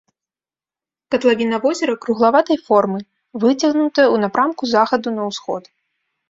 Катлавіна возера круглаватай формы, выцягнутая ў напрамку захаду на ўсход.